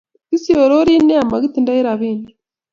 Kishororo nea mokitindoi rabinik